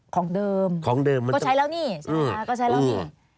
ของเดิมก็ใช้แล้วนี่ใช้แล้วนี่ของเดิมก็ใช้แล้วนี่